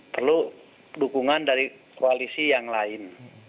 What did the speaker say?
perlu dukungan dari koalisi yang lain